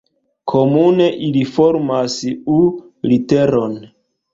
Komune ili formas U-literon.